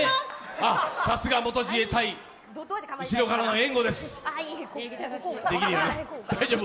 さすが、元自衛隊員、後ろからの援護です大丈夫？